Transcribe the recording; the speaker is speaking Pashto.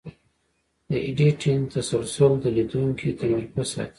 د ایډیټینګ تسلسل د لیدونکي تمرکز ساتي.